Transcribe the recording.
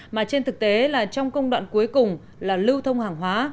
mà trên thực tế là trong công đoạn cuối cùng là lưu thông hàng hóa